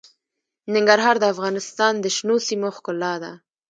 ننګرهار د افغانستان د شنو سیمو ښکلا ده.